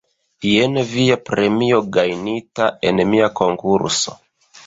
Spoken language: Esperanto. Jen via premio gajnita en mia konkurso